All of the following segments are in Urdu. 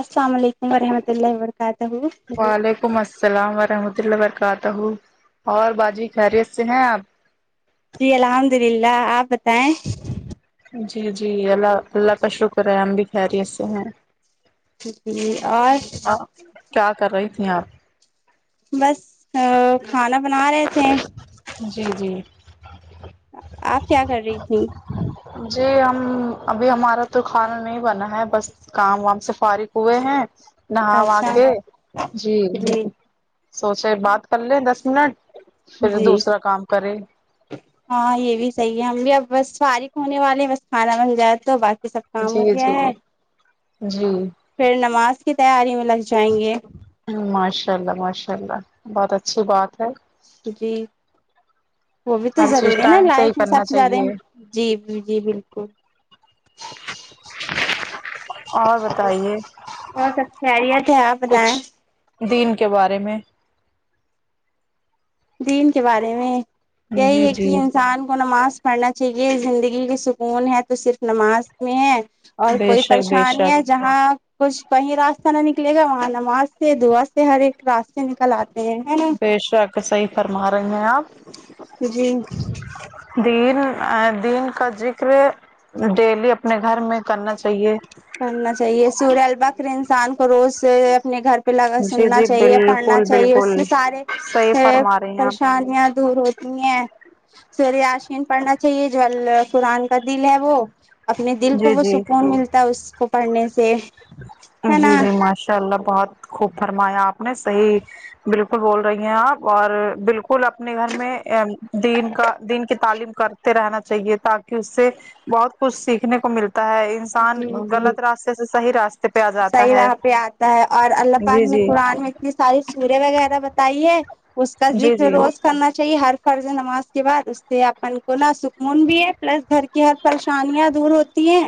السلام علیکم ورحمۃ اللہ و برکاتہ وعلیکم السلام ورحمۃ اللہ و برکاتہ اور باجی خیریت سے ہیں آپ جی الحمد للہ آپ بتائیں جی جی اللہ اللہ کا شکر ہے ہم بھی خیریت سے ہیں جی جی اور ہاں کیا کر رہی تھیں آپ بس آں کھانا بنا رہے تھے جی جی آپ کیا کر رہی تھی جی ہم ابھی ہمارا تو کھانا نہیں بنا ہے بس کام وام سے فارغ ہوئے ہیں نہا وا اچھا کے جی سوچے بات کرلیں دس منٹ پھر جی دوسرا کام کرے ہاں یہ بھی صحیح ہے ہم بھی اب بس فارغ ہونے والے بس کھانا بن جائے تو ب جی جی جی پھر نماز کی تیاری میں لگ جائیں گے ماشاءاللہ ماشاءاللہ بہت اچھی بات ہے جی وہ بھی تو ہر چیز ضروری ہے نا ٹائم سے ہی لائف میں کرنا سب سے زیادہ چاہیے جی بالکل بالکل اور بتائیے اور سب خیریت ہے آپ کچھ بتائیں دین کے بارے میں دین کے بارے میں یہی جی ہے جی کہ انسان کو نماز پڑھنا چاہیے زندگی کی سکون ہے تو صرف نماز میں ہے اور بے کوئی شک بے پریشانی شک ہے جہاں کچھ کہیں راستہ نہ نکلے گا وہاں نماز سے دعا سے ہر ایک راستے نکل آتے ہیں ہے بے نا شک صحیح فرما رہے ہیں آپ [unintelligible] دن دن کا ذکر ڈیلی اپنے گھر میں کرنا چاہیے کرنا چاہیے سورہ البکر انسان کو روز سے اپنے گھر پہ لگ جی سننا جی چاہیے پڑھنا بالکل چاہیے اس بالکل سے سارے صحیح فرما رہی ہیں آپ پریشان یاں دور ہوتی ہیں سورہ یاشین پڑھنا چاہیے جو ال قرآن کا دل ہے وہ اپنے دل کو جی وہ جی سکون ملتا ہے اس کو پڑھنے سے ہے نا تھ اللہ پاک بہت خوب فرمایا اپ نے صحیح بالکل تو بول رہی ہے اپ اور بالکل اپنے گھر میں دین کا دن کی تعلیم کرتے رہنا چاہیے تاکہ اس سے بہت کچھ سیکھنے کو ملتا ہے اسان جی جی غلط راستے سے صحیح راستے پہ آ جاتا صحیح ہے راہ پہ اتا ہے اور اللہ پاک جی نے جی قران کے ساری سورہ وغیرہ بتائی ہے اس کا جی ذکر جی روز کرنا چاہیے ہر فرض نماز کے بعد اس سے اپن کونا سکون بھی ہے پلس گھر کی ہر پریشانیاں دور ہوتی ہے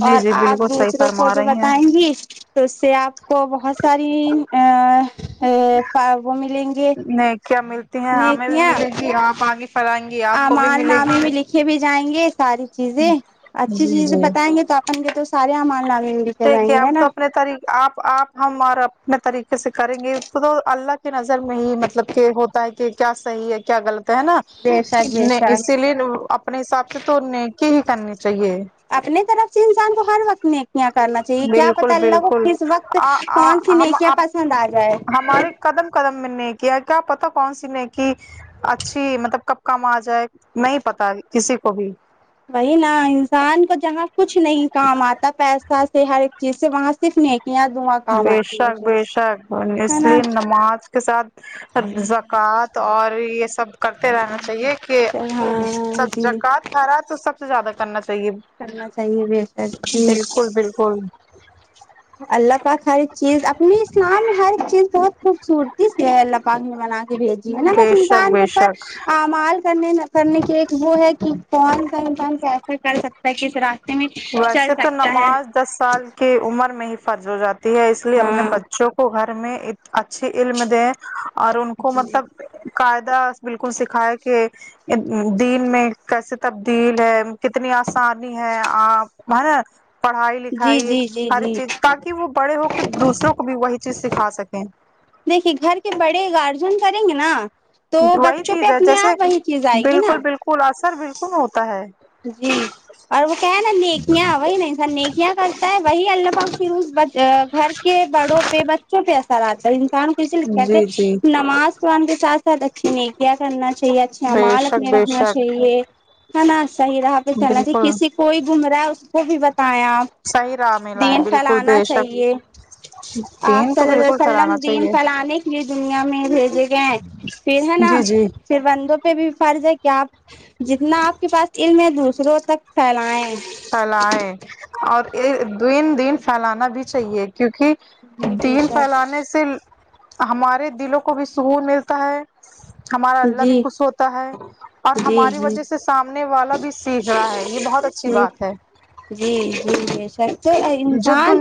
جی اور جی اپ بالکل صحیح دوسروں کو فرما جو رہی ہیں بتائیں گی تو اس سے اپ کو بہت ساری وہ ملیں گے نہیں کیا ملتی ہیں ہمیں بھی نیکیاں ملے گی اپ اگے پڑھائیں گی آپ کو بھی ملے گی کے بھی جائیں گے ساری چیزیں اچھی جی چیزیں جی بتیں گے تو اپن کے تو سارے امان لان دیکھیے ہم تو اپنے طریق اپ اپ ہم اور اپنے طریقے سے کریں گے تو اللہ کے نظر میں ہی مطلب کہ ہوتا ہے کہ کیا صحیح ہے کیا غلط ہے نا بے شک بے نیں شک اسی لیے اپنے حساب سے تو نیکی ہی کرنی چاہیے اپنے طرف سے انسان کو ہر وقت میں یا کرنا چاہیے کیا بالکل پتا اللہ کو بالکل کس وقت آ کون سی آ ہم نیکیاں آپ پسندہ جائے ہمارے قدم قدم میں نے نیکیاں کیا پتا کون سی نے کہ اچھی مطلب کب کم اجائے نہیں پتا کسی کو بھی وہی نا انسان کو جگہ کچھ نہیں کام اتا پیسہ سے ہر ایک چیز سے وہاں صرف نیکیاں دواں بے شک بے شک اس لے نا نماز کے ساتھ زکوۃ اور یہ سب کرتے رہنا چاہیے کہ چل ہاں سب جی زکوۃ کرا تو سب سے زیادہ کرنا چاہیے کرنا چاہیے بے شک جی بالکل بالکل اللہ پاک ہر چیز اپنی اسلام میں ہر چیز بہت خوبصورتی سے ہے اللہ پاک نے بنا کے بھی جی ہے ابس بے شک انسان کے بے اوپر شک امال کنے نہ کرنے کی ایک وہ ہے کہ کون سے انسان کیسا کر سکتا ہے کس ازت چل ویسے تو سکتا ہے نماز دس سال کی عمر میں ہی فرض ہو جاتی ہے اس لیے اپنے ہاں بچوں کو کو گھر میں اچھے علم دے اور ان کو جی مطلب قاعدہ بالکل سکھائے کہ دین میں کیسے تبدیل ہے کتنی اسانی ہے با ہر پڑھائی جی لکھائی جی ہر جی چیز تاکہ وہ بڑے ہو کہ دوسروں کو بھی وہی چیز سکھا سکے دیکھیے گھر کے بڑے گارجین کریں گے نا تو وہی بچوں پہ اپنے اپ وہی چیز ائے گی نا پر اثر بالکل ہوتا ہے جی اور وہ کہ ہے نیکیاں وہی انسان نیکیا کیا کرتا ہے وہی اللہ پاک پھر اس گھر کے بڑوں پہ بچوں پہ اثر اتا ہے کون کسے کہتے جی جی نماز قران کے ساتھ ساتھ اچھی نیکیاں کرنا چاہ اچھے بے امال شک اپنے بے رکھنا شک چاہیے ہے نا صحیح رہا پہ چلنا بالکل چاہیے کسی کوئی گم رہا ہے اس کو بھی بتایا صحیح راہ میں لائیں دین بالکل پھیلانا بے شک چاہیے آپ دین تو صلی اللہ بالکل پھیلانا وسلم دین چاہیے پھلا نے کے لیے دنیا میں بھیجے گئے پھر ہے نا جی جی پھر بندوں پہ بھی فرض ہے کہ آپ جتنا آپ کے پاس علم میں دوسروں تک پھیلا یں پھیلائے اور دین دن پھیلانا بھی چاہیے کیونکہ جی دین بےشک پھیلانے سے ہمارے دلوں کو بھی سکون ملتا ہے ہمارا اللہ بھی جی خوش ہوتا ہے اور جی ہماری جی وجہ سے سامنے والا بھی سیکھ رہا ہے یہ بہت اچھی جی بات ہے جی جی بے شک تو انسان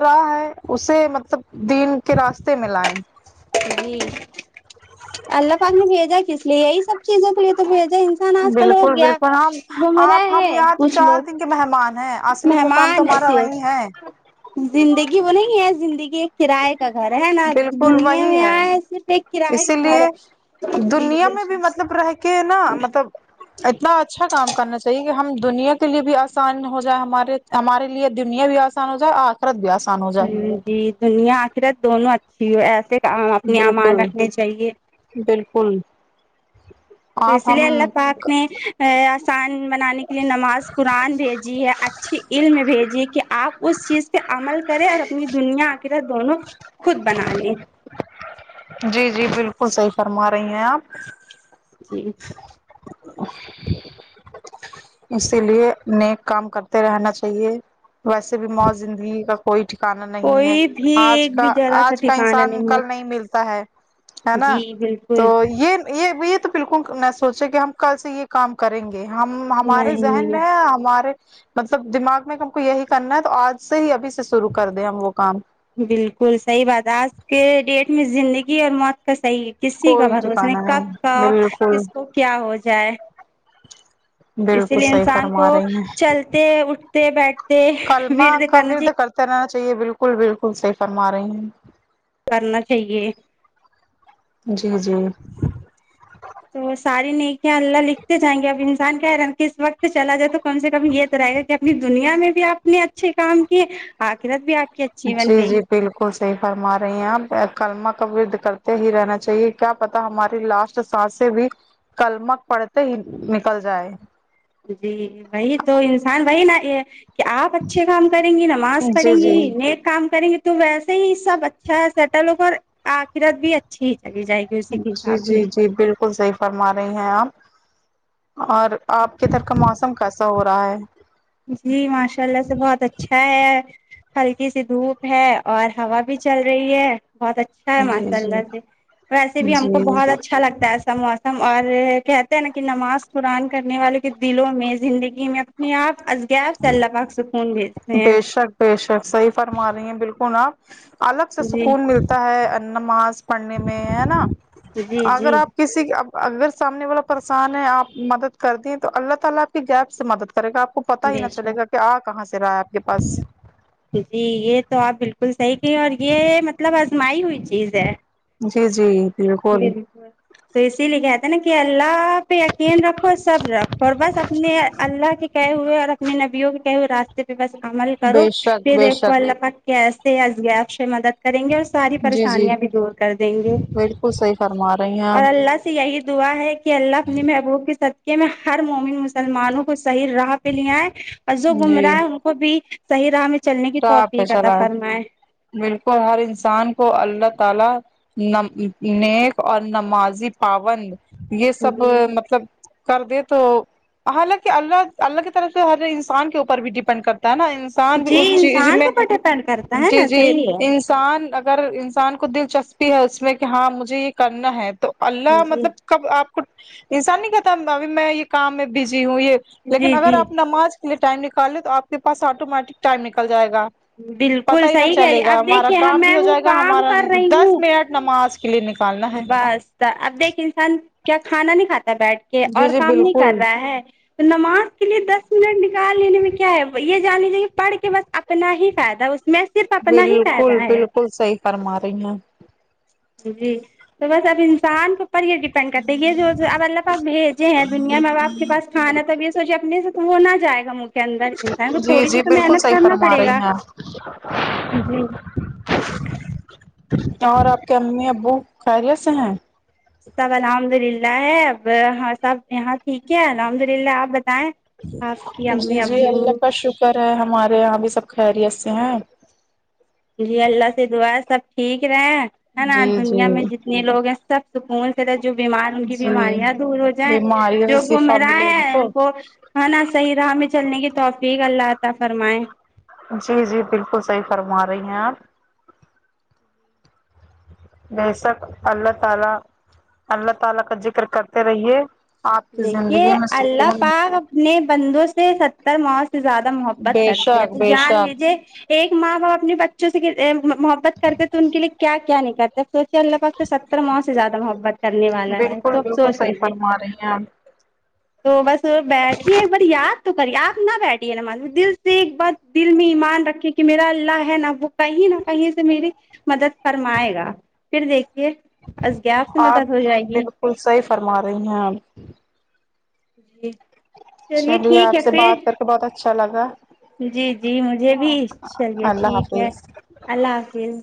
کیا ہے اسے مطلب دین کے راستے میں لا یں جی اللہ پاک نے بھیجا کس لیے یہی سب چیزوں کے لیے تو بھیجا انسان آج کل ہو بالکل گیا بالکل ہم آپ گمراہ ہم ہے یہاں تو کچھ چار لوگ دن کے مہمان ہیں اصلی مقام مہمان ہے تمہارا صرف وہی ہے زندگی وہ نہیں ہے زندگی ایک کرایہ کا گھر ہے نا بالکل دنیا وہی میں ہے آئے صرف ایک کرایہ اسی کے گھر لیے ہے دنیا میں بھی مطلب رہ کے نا مطلب اتنا اچھا کام کرنا چاہیے کہ ہم دنیا کے لیے بھی آسان ہو جا یں ہمارے ہمارے لیے دنیا بھی آسان ہو جائے اور آخرت بھی آسان ہو جائے جی دنیا آخر ہے دونوں اچھی ہو ایسے کام اپنے امان بالکل رکھنے چاہیے بالکل تو اس آپ ہم لیے اللہ پاک نے آسان بنانے کے لیے نماز قرآن بھیجی ہے اچھی علم بھیجیے کہ آپ اس چیز پہ عمل کریں اور اپنی دنیا پھر دونوں خود بنا لے جی جی بالکل صحیح فرما رہی ہیں آپ جی ے [inaudible] اسی لیے نیک کام کرتے رہنا چاہیے ویسے بھی موت زندگی کا کوئی ٹھکانا نہیں ہے کوئی بھی آج ایک کا بھی جگہ سا آج کا ٹھکانا انسان ہے کل نہیں ملتا ہے ہے نا جی تو بالکل یہ یہ یہ تو بالکل نہ سوچے کہ ہم کل سے یہ کام کریں گے ہم ہمارے ذہن نہیں میں ہے ہمارے مطلب دماغ میں ہم کو یہی کرنا ہے تو آج سے ہی ابھی سے شروع کر دیں ہم وہ کام بالکل صحیح بات ہے آج کے ڈیٹ میں زندگی اور موت کا صحیح کسی کا کوئی بھروس نے ٹھکانا کب نہیں کا بالکل کس کو کیا ہو جائے [unintelligible] اسی بالکل لیے صحیح انسان فرما کو رہی ہیں چلتے اٹھتے بیٹھتے کلمہ ورد کا و کرنا تے چاہیے رد کر کرنا چاہیے بالکل بالکل صحیح فرما رہے ہیں کرنا چاہیے جی جی تو ساری نیکیاں اللہ لکھتے جائیں گے اب انسان [unintelligible] کیا رہ کہ اس وقت چلا جائے تو کم سے کم یہ تو رہے گا کہ آپ دنیا میں بھی آپ نے اچھے کام کیے آخرت بھی آپ کی ا اچھی جی بن گئی جی بالکل صحیح فرما رہی ہیں ہمیں کلمہ کا کرتے ہی رہنا چاہیے کیا پتا ہماری لاسٹ سانسیں بھی کلمک پڑتے ہی نک نکل جائے جی وہی تو انسان وہی نہ یہ کہ آپ اچھے کام کریں گی نماز پڑھیں جی گی جی نیک کام کریں گی تو ویسے ہی سب اچھا ہے سیٹل ہوگا اور آخرت بھی اچھی ہی چلی جائے گی اسی کے جی حساب جی سے جی بال کل صحیح فرما رہے ہیں آپ اور آپ کے ادھر کا موسم کیسا ہو رہا ہے جی ماشاء اللہ سے بہت اچھا ہے ہلکی سی دھوپ ہے اور ہوا بھی چل رہی ہے بہت اچ ا جی ماشاء جی اللہ سے ویسے بھی ہم کو جی بہت اچھا لگتا ہےا موسم اور کہتے ہیں نا کہ نماز قرآن کرنے والوں کے دلوں میں زندگی میں اپنے آپ از گیپ سے اللہ پاک سکون بھیجتے ہیں بے شک بے شک صحیح فرما رہی ہیں بالکل آپ الگ سے جی سکون ملتا ہے نماز پڑھنے میں ہے نا جی اگر جی آپ کسی اگر سامنے والا پریسان ہے آپ مدد کر دیں تو اللہ تعالی آپ کی غیب سے مدد کرے گا آپ کو پتا ہی نہ بے چلے گا شک کہ آ کہاں سے رہا ہے آپ کے پاس جی یہ تو آپ بالکل صحیح کہیے اور یہ مطلب آزمائی ہوئی چیز ہے جی جی بالکل تو اسی لے کہ نا کہ اللہ پہ یقین رکھو صبر رکھو اور بس اپنے اللہ کے کہ ہوئے اور اپنے نبیوں کے کہے ہوئے راستے پہ بس عمل کرو بے شک پھر بے دیکھو شک اللہ کا کیسے از گیپ سے مدد کریں گے ساری جی جی پریشانیاں بھی دور کر دیں گے بالکل صحیح فرما رہی ہیں اور آپ اللہ سے یہی دعا ہے کہ اللہ اپنے محبوب کی صد کہ ہم ہر مومن مسلمانوں کو صحیح راہ پہ لیا ہے اور جو گم جی رہا ہے ان کو بھی صحیح راہ میں چلنے کی آپ پہ توفیق عطا چلا ہے فرمائے بالکل ہر انسان کو اللہ تعالی ن نیک اور نمازی پابند یہ سب ہ مطلب کر دے تو حالانکہ اللہ اللہ کی طرف سے ہر انسان کے اوپر بھی ڈیپینڈ کرتا ہے نا انسان بھی جی اس چیز انسان میں کے پر ڈپینڈ کرتا ہے جی نا جی صحیح ہے انسان اگر انسان کو دلچسپی ہے اس میں کہ ہاں مجھے یہ کرنا ہے تو اللہ جی مطلب کب آپ کو انسان نہیں کہتا ابھی میں یہ کام میں بزی ہوں یہ لیکن جی اگر جی آپ نماز کے لیے ٹائم نکال لیں تو آپ کے پاس آٹومیٹک ٹائم نکل جائے گا پتہ بالکل ہی نہ صحیح کہہ رہی چلے گا اب ہمارا دیکھیے ہم کام بھی میں ہو ہوں جائے گا کام ہمارا کر رہی دس ہوں منٹ نماز کے لیے نکال بس اب دیکھ انسان کیا کھانا نہیں کھاتا بیٹھ کے جی اور جی کام نہیں کر بالکل رہا ہے تو نماز کے لیے دس منٹ نکال لینے میں کیا ہے یہ جان لیجیے کہ پڑھ کے بس اپنا ہی فائدہ اس میں صرف اپنا ہی بالکل فائدہ ہے بالکل صحیح فرما رہی ہیں جی تو بس اب انسان کے اوپر یہ ڈیپ ینڈ کرتے یہ جو اب اللہ پاک بھیجے ہیں دنیا میں اب آپ کے پاس کھانا ہے تو یہ سوچے اپنے سے وہ نہ جائے گا منہ کے اندر انسان کو تھوڑی سی تو محنت کرنا پڑے گا اہ جی اور آپ کے امی ابو خیریت سے ہیں سب الحمد للہ ہے اب ہاں سب یہاں ٹھیک ہے الحمد للہ آپ بتائیں آپ کی جی امی جی اللہ ابو کا شکر ہے ہمارے یہاں بھی سب خیریت سے ہیں جی اللہ سے دعا سب ٹھیک رہے ہے نا جی جی دنیا میں جتنے لوگ ہیں سب سکون طرح جو بیمار ان کی جی بیماریاں دور ہو جائیں بیماریوں جو سے گم شفا ملے رہاہ ہے ان کو ہ نا صحیح راہ میں چلنے کی توفیق اللہ عطا فرمائے جی جی بالکل صحیح فرما رہی ہیں آپ بے شک اللہ تعالی اللہ تعالی کا ذکر کرتے رہیے آپ کی دیکھیے زندگی میں اللہ سکون پاک اپنے بندوں سے ستر ماؤں سے زیادہ محبت بے کرتے شک تو بے جان لیجے شک ایک ماں باپ اپنے بچوں سے محبت کرتے تو ان کے لیے کیا کیا نہیں کرتے سوچے اللہ ب تو ستر ماہ سے زیادہ محبت کرنے والا ہے تو اب سوچ لیجیے آ رہی ہیں تو بس بیٹھیے بر یاد تو کریے آپ نہ بیٹھیے ن دل سے ایک بات دل میں ایمان رکھے کی میرا اللہ ہے نہ وہ کہیں نہ کہیں سے میرے مدد فرمائے گا پھر دیکھیے از گیب آپ سے مدد ہو جائے گی بالکل صحیح فرما رہی ہیں جی چلیے ٹھیک آپ ہے سے بات کر کے پھر بہت اچھا لگا جی جی مجھے بھی چلیے اللہ ٹھیک ہے حافظ اللہ حافظ